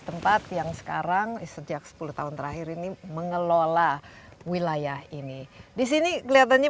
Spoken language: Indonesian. tempat yang sekarang sejak sepuluh tahun terakhir ini mengelola wilayah ini disini kelihatannya